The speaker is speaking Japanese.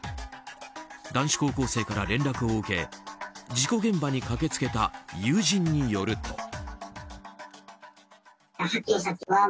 男子高校生から連絡を受け事故現場に駆け付けた友人によると。